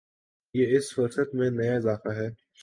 یہ اس فہرست میں نیا اضافہ ہے۔